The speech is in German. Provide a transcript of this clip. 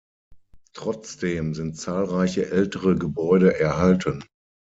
Trotzdem sind zahlreiche ältere Gebäude erhalten.